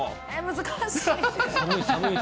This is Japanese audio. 難しい。